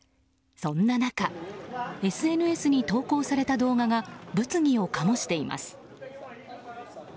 そんな中ＳＮＳに投稿された動画が物議を醸しています。